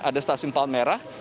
ada stasiun palmera